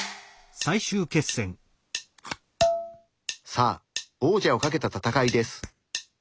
さあ王者をかけた戦いです。